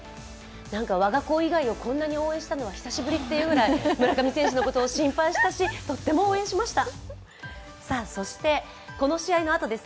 我が子以外をこんなに応援したのは久しぶりというくらい村上選手のことを心配したしとっても応援しました。